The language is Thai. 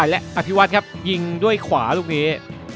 และอภิวัฒน์ครับยิงด้วยขวาลูกนี้